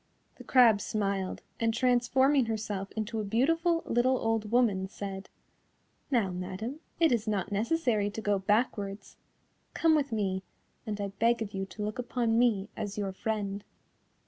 The crab smiled, and transforming herself into a beautiful little old woman, said: "Now, madam, it is not necessary to go backwards. Come with me, and I beg of you to look upon me as your friend."